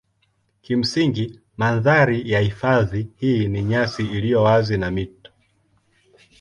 Kimsingi mandhari ya hifadhi hii ni nyasi iliyo wazi na mito.